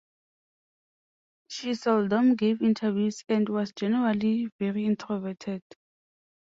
She seldom gave interviews and was generally very introverted.